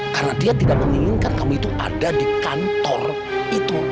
karena dia tidak menginginkan kamu itu ada di kantor itu